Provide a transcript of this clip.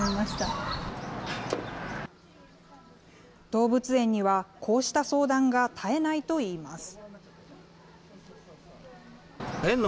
動物園には、こうした相談が絶えないといいます。